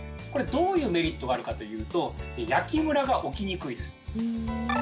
これ、どういうメリットがあるかというと焼きむらが起きにくいです。